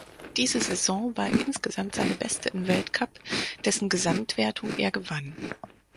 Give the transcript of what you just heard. Diese Saison war insgesamt seine Beste im Weltcup, dessen Gesamtwertung er gewann.